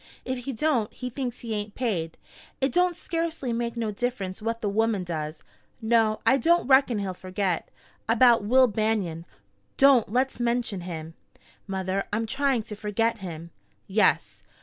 If he don't, he thinks he ain't paid, it don't scarcely make no difference what the woman does. No, I don't reckon he'll forget. About Will Banion " "Don't let's mention him, mother. I'm trying to forget him." "Yes?